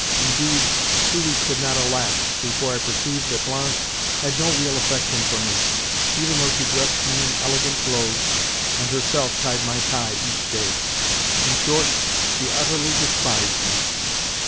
Indeed, two weeks had not elapsed before I perceived that Blanche had no real affection for me, even though she dressed me in elegant clothes, and herself tied my tie each day. In short, she utterly despised me.